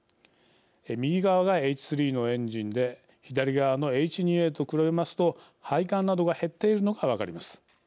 右側がＨ３のエンジンで左側のＨ２Ａと比べますと配管などが減っているのが分かります。